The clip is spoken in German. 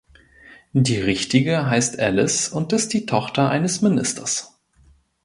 Die Richtige heißt Alice und ist die Tochter eines Ministers.